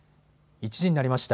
１時になりました。